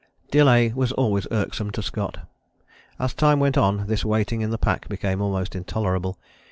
" Delay was always irksome to Scott. As time went on this waiting in the pack became almost intolerable.